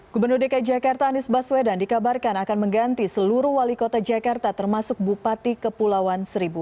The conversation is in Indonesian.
gubernur dki jakarta anies baswedan dikabarkan akan mengganti seluruh wali kota jakarta termasuk bupati kepulauan seribu